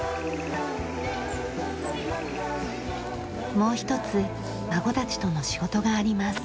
もう一つ孫たちとの仕事があります。